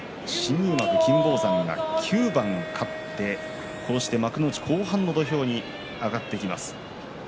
金峰山、９番勝って幕内後半の土俵に上がってきました。